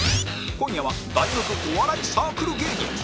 今夜は大学お笑いサークル芸人